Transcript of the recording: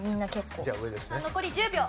残り１０秒。